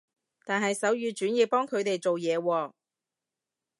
但係手語傳譯幫佢哋做嘢喎